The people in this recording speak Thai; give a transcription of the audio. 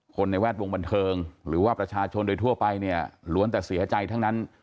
ในแวดวงบันเทิงหรือว่าประชาชนโดยทั่วไปเนี่ยล้วนแต่เสียใจทั้งนั้น